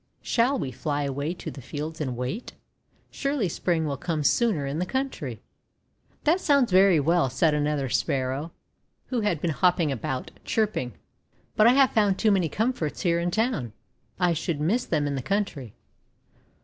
Shall we fly away to the fields and wait? Surely Spring will come sooner in the country." "That sounds very well," said another Spar 440 THE WONDER GARDEN row, who had been hopping about, chirpingc :'But I have found too many comforts here in town. I should miss them in the country.